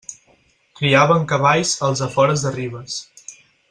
Criaven cavalls als afores de Ribes.